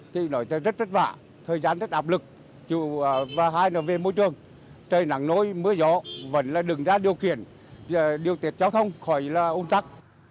thì nổi rất rất vả thời gian rất áp lực chụp hai nv môi trường trời nắng nối mưa gió vẫn là đứng ra điều kiện điều tiệt giao thông khỏi là ôn tắc